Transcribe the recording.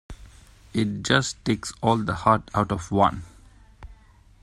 It just takes all the heart out of one.